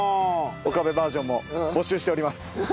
岡部バージョンも募集しております。